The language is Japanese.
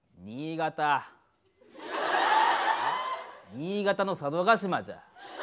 新潟の佐渡島じゃ。